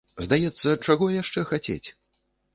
Здаецца, чаго яшчэ хацець?